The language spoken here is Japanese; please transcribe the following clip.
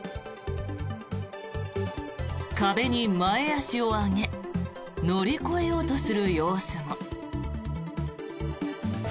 壁に前足を上げ乗り越えようとする様子も。